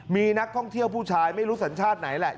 มีนักท่องเที่ยวผู้ชายไม่รู้สัญชาติไหนแหละ